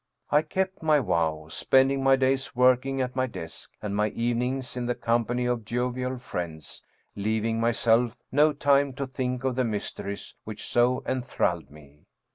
I kept my vow, spending my days working at my desk, and my evenings in the company of jovial friends, leaving myself no time to think of the mysteries which so enthralled me.